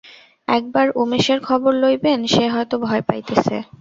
একবার উমেশের খবর লইবেন, সে হয়তো ভয় পাইতেছে।